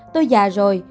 tôi già rồi